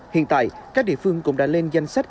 hiện tại các địa phương cũng đã lên danh sách